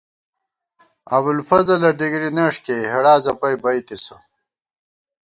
ابُوالفضلہ ڈِگری نݭ کېئی، ہېڑا زَپَئی بَئیتِسہ